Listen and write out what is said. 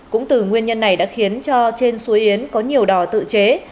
cũng từ nguyên nhân này đã khiến cho trên suối yến có nhiều đỏ tự chế